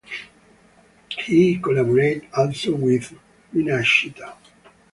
He collaborated also with "Rinascita".